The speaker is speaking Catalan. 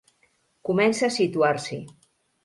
Comença a situar-s'hi.